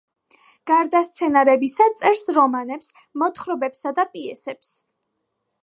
გარდა სცენარებისა წერს რომანებს, მოთხრობებსა და პიესებს.